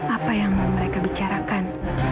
apa yang mereka bicarakan